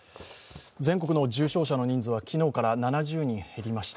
全国の重症者の人数は昨日から７０人減りました。